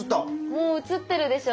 もう映ってるでしょ